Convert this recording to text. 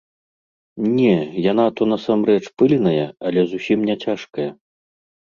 Не, яна то, насамрэч, пыльная, але зусім не цяжкая.